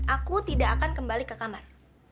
aku tidak akan kembali ke kamar